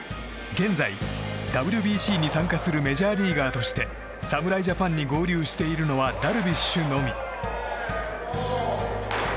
現在、ＷＢＣに参加するメジャーリーガーとして侍ジャパンに合流しているのはダルビッシュのみ。